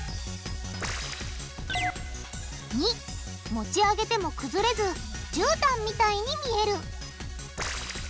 ②持ち上げてもくずれずじゅうたんみたいに見える。